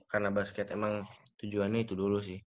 karena basket emang tujuannya itu dulu sih